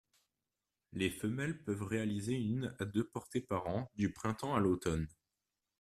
Les femelles peuvent réaliser une à deux portées par an du printemps à l'automne.